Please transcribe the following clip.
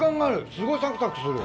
すごいサクサクする。